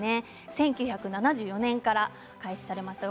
１９７４年から開始されました。